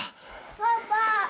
パパ。